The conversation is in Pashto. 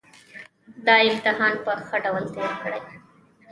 دا امتحان په ښه ډول تېر کړئ